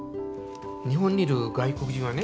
日本にいる外国人はね